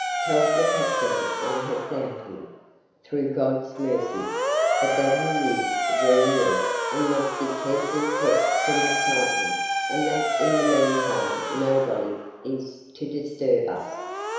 Tell the captain I have found him through God's mercy but that he is very ill and must be carefully kept from excitement and that in the meantime nobody is to disturb us.